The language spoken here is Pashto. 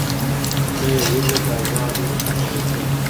نه یې هیله د آزادو الوتلو